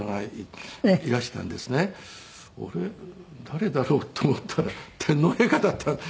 誰だろう？」と思ったら天皇陛下だった。